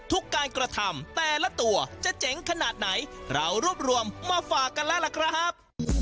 ทุกการกระทำแต่ละตัวจะเจ๋งขนาดไหนเรารวบรวมมาฝากกันแล้วล่ะครับ